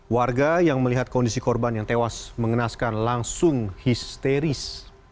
warga yang melihat kondisi korban yang tewas mengenaskan langsung histeris